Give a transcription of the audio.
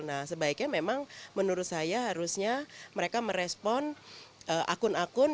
nah sebaiknya memang menurut saya harusnya mereka merespon akun akun